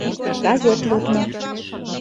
ГАЗЕТ ЛУДМО